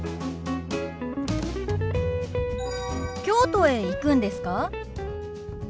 京都へ行くんですか？